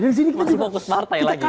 masih fokus partai lagi lah